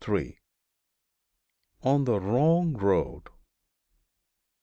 ON THE WRONG ROAD.